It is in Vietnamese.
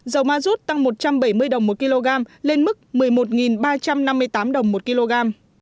dầu ma rút tăng một trăm bảy mươi đồng một kg lên mức một mươi một ba trăm năm mươi tám đồng một kg